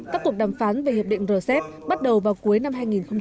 các cuộc đàm phán về hiệp định rcep bắt đầu vào cuối năm hai nghìn một mươi hai